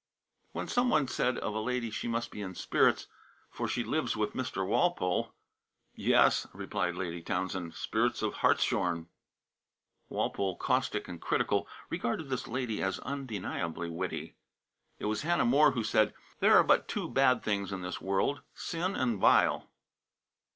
When some one said of a lady she must be in spirits, for she lives with Mr. Walpole, "Yes," replied Lady Townsend, "spirits of hartshorn." Walpole, caustic and critical, regarded this lady as undeniably witty. It was Hannah More who said: "There are but two bad things in this world sin and bile."